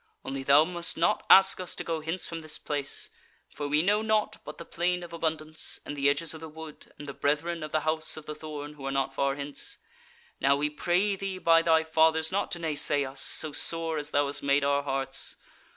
Only thou must not ask us to go hence from this place: for we know naught but the Plain of Abundance, and the edges of the wood, and the Brethren of the House of the Thorn, who are not far hence. Now we pray thee by thy fathers not to naysay us, so sore as thou hast made our hearts.